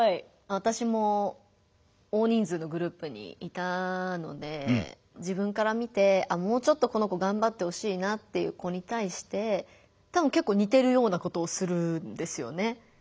私も大人数のグループにいたので自分から見てあっもうちょっとこの子がんばってほしいなっていう子に対してたぶんけっこう似てるようなことをするんですよね。